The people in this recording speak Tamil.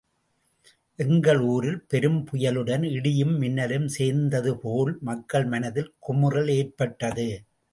எங்கள் ஊரில் பெரும் புயலுடன் இடியும் மின்னலும் சேர்ந்ததுபோல் மக்கள் மனதில் குமுறல் ஏற்பட்டது.